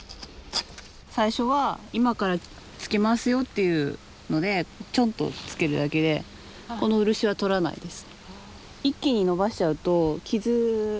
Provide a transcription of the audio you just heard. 最初は今からつけますよっていうのでチョンとつけるだけでこの漆はとらないです。